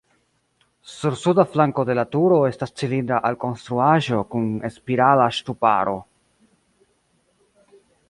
Sur suda flanko de la turo estas cilindra alkonstruaĵo kun spirala ŝtuparo.